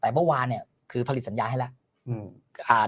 แต่เมื่อวานเนี่ยคือผลิตสัญญาให้แล้ว